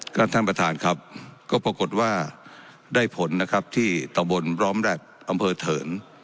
ท่านประธานครับก็ปรากฏว่าได้ผลนะครับที่ตะบนร้อมแร็บอำเภอเถิน